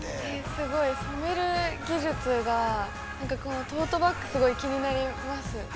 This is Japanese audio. ◆すごい染める技術が、トートバッグ、すごい気になります。